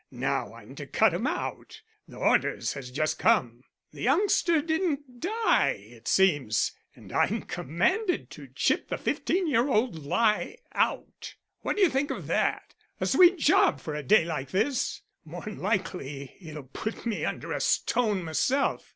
Now I'm to cut 'em out. The orders has just come. The youngster didn't die it seems, and I'm commanded to chip the fifteen year old lie out. What do you think of that? A sweet job for a day like this. Mor'n likely it'll put me under a stone myself.